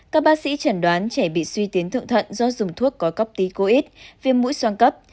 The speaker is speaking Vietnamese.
các bác sĩ chẩn đoán trẻ bị suy tuyến thượng thận do dùng thuốc có copticoid viêm mũi soan cấp